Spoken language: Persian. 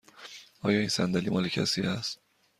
آیا این صندلی مال کسی است؟